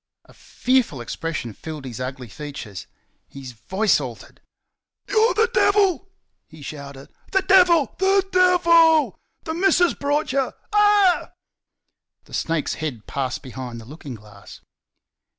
A fearful expression filled his ugly features. His voice altered. "You're the Devil!" he said; "THE DEVIL! THE DEVIL! The missus brought you ah h h!" The snake's head passed behind the looking glass.